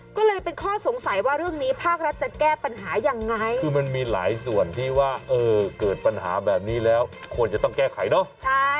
ก็เลยเป็นข้อสงสัยว่าเรื่องนี้ภาครัฐจะแก้ปัญหายังไงคือมันมีหลายส่วนที่ว่าเกิดปัญหาแบบนี้แล้วควรจะต้องแก้ไขเนอะ